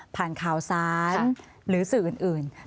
ผ่านข่าวซ้านหรือสื่ออื่น